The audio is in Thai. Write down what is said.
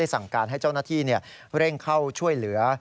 สั่งการให้เจ้าหน้าที่เร่งเข้าช่วยเหลือ